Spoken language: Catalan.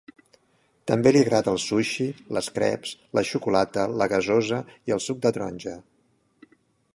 També li agrada el sushi, les creps, la xocolata, la gasosa i el suc de taronja.